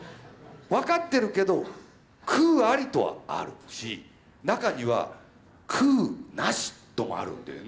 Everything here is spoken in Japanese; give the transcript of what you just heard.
分かってるけど「空あり」とはあるし中には「空なし」ともあるんだよね。